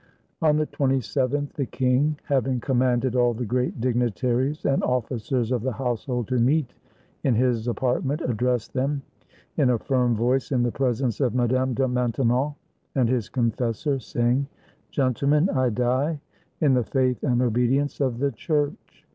On the 27th, the king, having commanded all the great dignitaries and officers of the household to meet in his apartment, addressed them in a firm voice, in the presence of Madame de Maintenon and his confessor, saying, —" Gentlemen, I die in the faith and obedience of the Church.